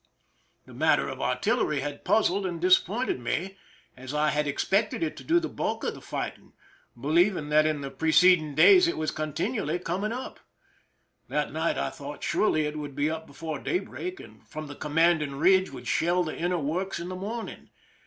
The matter of artillery had puzzled and disappointed me, as I had expected it to do the bulk of the fighting, believing that in the preceding days it was continually coming up. That night I thought surely it would be up before daybreak, and from the commanding ridge would shell the inner works in the morning.